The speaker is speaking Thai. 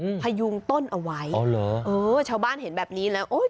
พยุงต้นเอาไว้อ๋อเหรอเออชาวบ้านเห็นแบบนี้แล้วโอ้ย